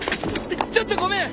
ちょっとごめん！